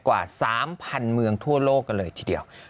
กว่า๓๐๐๐เมืองทั่วโลกกันเลยทีเดียว